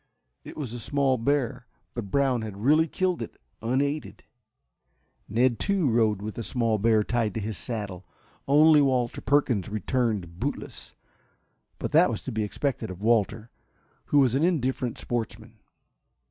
It was a small bear, but Brown had really killed it unaided. Ned, too, rode with a small bear tied to his saddle. Only Walter Perkins returned bootless, but that was to be expected of Walter, who was an indifferent sportsman.